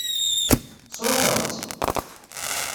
Tesṛuḥeḍ-tt?